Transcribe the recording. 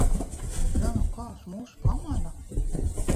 Un ja nu kāds mūs pamana?